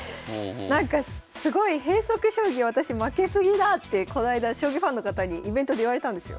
なんかすごい変則将棋私負け過ぎだってこないだ将棋ファンの方にイベントで言われたんですよ。